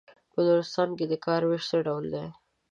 په نورستان کې د کار وېش څه ډول دی.